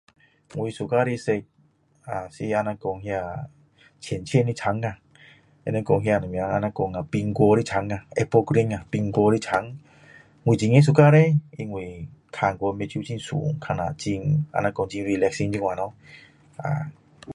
我喜欢的颜色是那个浅色的青他们讲是苹果的青 Apple green 苹果的青我为什么会喜欢呢因为看过去眼睛很顺看了很 relaxing 这样咯